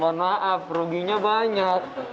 mohon maaf ruginya banyak